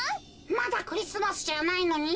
まだクリスマスじゃないのに？